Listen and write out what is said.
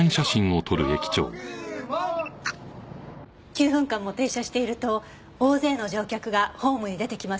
９分間も停車していると大勢の乗客がホームに出てきますよね。